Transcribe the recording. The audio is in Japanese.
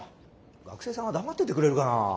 学生さんは黙っててくれるかな。